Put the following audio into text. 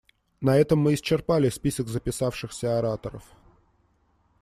На этом мы исчерпали список записавшихся ораторов.